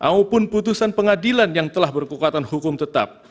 kalau wasluiri ri aupun putusan pengadilan yang telah berkekuatan hukum tetap